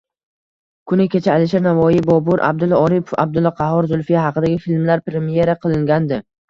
Kuni kecha Alisher Navoiy, Bobur, Abdulla Oripov, Abdulla Qahhor, Zulfiya haqidagi filmlar premyera qilingandi.